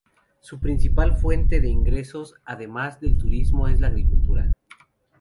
Su principal fuente de ingresos, además del turismo, es la agricultura.